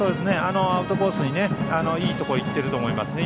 アウトコースにいいところにいっていると思いますね。